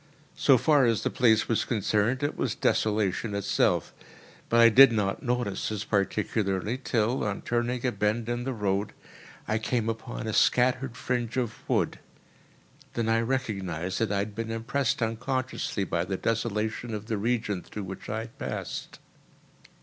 So far as the place was concerned, it was desolation itself. But I did not notice this particularly till, on turning a bend in the road, I came upon a scattered fringe of wood; then I recognised that I had been impressed unconsciously by the desolation of the region through which I had passed.